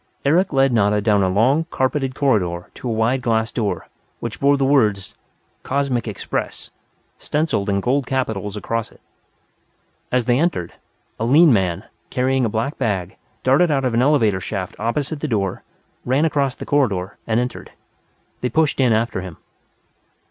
Eric led Nada down a long, carpeted corridor to a wide glass door, which bore the words: COSMIC EXPRESS stenciled in gold capitals across it. As they approached, a lean man, carrying a black bag, darted out of an elevator shaft opposite the door, ran across the corridor, and entered. They pushed in after him.